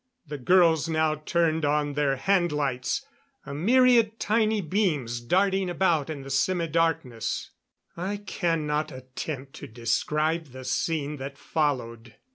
The girls now turned on their hand lights a myriad tiny beams darting about in the semidarkness. I cannot attempt to describe the scene that followed.